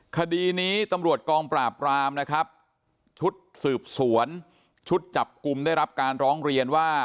คดีนี้ตำรวจกองปราบรามนะครับชุดสืบสวนชุดจับกลุ่มได้รับการร้องเรียนว่า